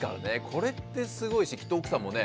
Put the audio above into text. これってすごいしきっと奥さんもね